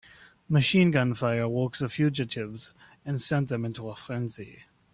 Machine gun fire awoke the fugitives and sent them into a frenzy.